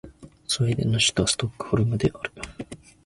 スウェーデンの首都はストックホルムである